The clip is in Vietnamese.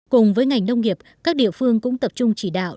cùng với ngành nông nghiệp các địa phương cũng tập trung chỉ đạo